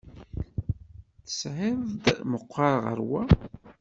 Tesεiḍ-t meqqer ɣer wa?